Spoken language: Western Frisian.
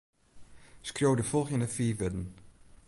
Skriuw de folgjende fiif wurden.